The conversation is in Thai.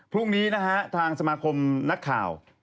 พรุ่งนี้นะฮะทางสมาคมนักข่าว